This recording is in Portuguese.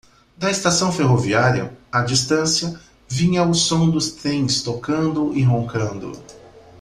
Da estação ferroviária, à distância, vinha o som dos trens tocando e roncando.